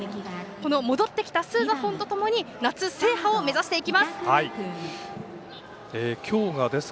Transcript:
この戻ってきたスーザフォンとともに夏制覇を目指していきます。